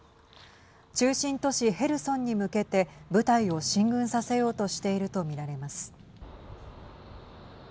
中心都市ヘルソンに向けて部隊を進軍させようとしていると見られます。